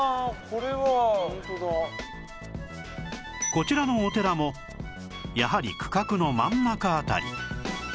こちらのお寺もやはり区画の真ん中辺り